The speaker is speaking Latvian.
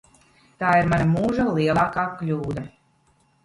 Tā ir mana mūža lielākā kļūda.